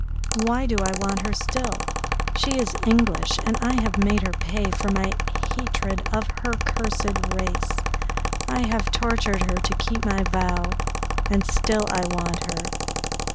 Why do I want her still? She is English and I have made her pay for my hatred of her cursed race. I have tortured her to keep my vow, and still I want her....